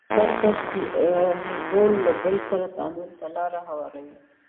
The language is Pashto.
د هر کس رول له بل سره تعامل ته لار هواروي.